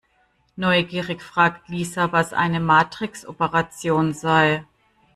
Neugierig fragt Lisa, was eine Matrixoperation sei.